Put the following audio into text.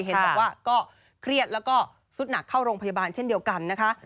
เห็นบอกว่าก็เครียดแล้วก็สุดหนักเข้าโรงพยาบาลเช่นเดียวกันนะคะ